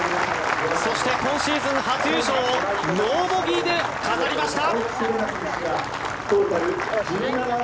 そして、今シーズン初優勝をノーボギーで飾りました。